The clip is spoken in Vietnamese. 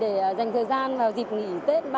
để dành thời gian vào dịp nghỉ tết